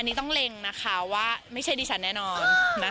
อันนี้ต้องเล็งนะคะว่าไม่ใช่ดิฉันแน่นอน